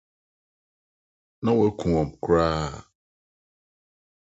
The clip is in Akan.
na woakum wɔn koraa.